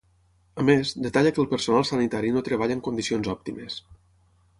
A més, detalla que el personal sanitari no treballa en condicions òptimes.